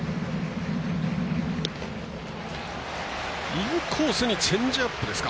インコースにチェンジアップですか。